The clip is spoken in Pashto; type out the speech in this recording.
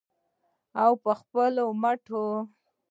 او په خپلو مټو.